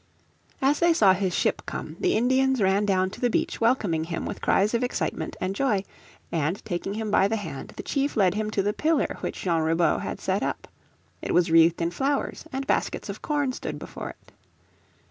As they saw his ship come the Indians ran down to the beach welcoming him with cries of excitement and joy, and taking him by the hand the chief led him to the pillar which Jean Ribaut had set up. It was wreathed in flowers, and baskets of corn stood before it.